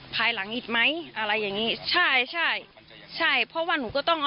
ตอนนี้ก็ต้อง